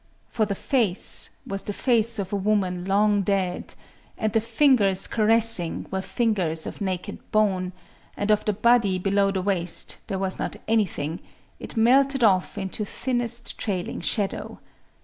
For the face was the face of a woman long dead,—and the fingers caressing were fingers of naked bone,—and of the body below the waist there was not anything: it melted off into thinnest trailing shadow.